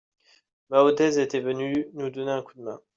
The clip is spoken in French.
Maodez était venu nous donner un coup de main.